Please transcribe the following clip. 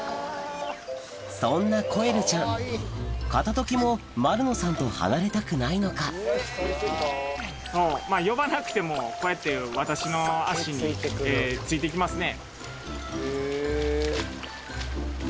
そんなコエルちゃん片時も丸野さんと離れたくないのか呼ばなくてもこうやって私の足について来ますね。